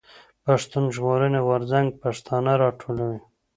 پښتون ژغورني غورځنګ پښتانه راټولوي.